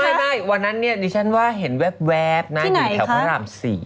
ไม่วันนั้นดิฉันว่าเห็นแวบนายอยู่แถวข้างหลามสี่